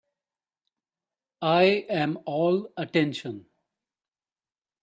I am all attention.